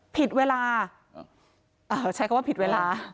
ผิดเวลาใช้คำว่าผิดเวลา